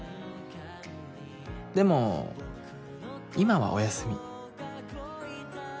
でも今はおやすみ。